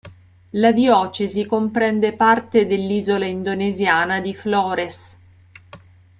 La diocesi comprende parte dell'isola indonesiana di Flores.